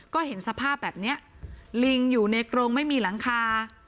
ก็เห็นสภาพแบบนี้ลิงอยู่ในกรงไม่มีหลังคา